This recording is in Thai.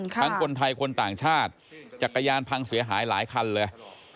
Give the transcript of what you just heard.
คนไทยคนต่างชาติจักรยานพังเสียหายหลายคันเลย